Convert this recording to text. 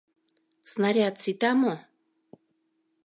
— Снаряд сита мо?